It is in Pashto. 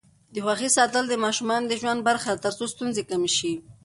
د خوښۍ ساتل د ماشومانو د ژوند برخه ده ترڅو ستونزې کمې شي.